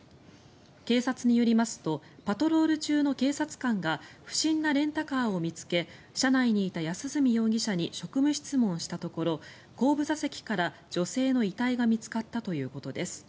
警察によりますとパトロール中の警察官が不審なレンタカーを見つけ車内にいた安栖容疑者に職務質問したところ後部座席から女性の遺体が見つかったということです。